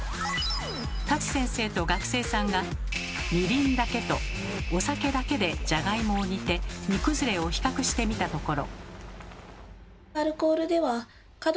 舘先生と学生さんがみりんだけとお酒だけでジャガイモを煮て煮崩れを比較してみたところ。